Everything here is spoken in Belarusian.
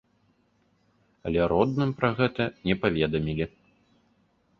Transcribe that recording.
Але родным пра гэта не паведамілі.